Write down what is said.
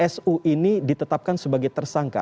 su ini ditetapkan sebagai tersangka